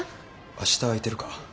明日空いてるか？